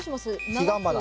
ヒガンバナ！